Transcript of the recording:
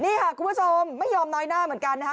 นี่ค่ะคุณผู้ชมไม่ยอมน้อยหน้าเหมือนกันนะคะ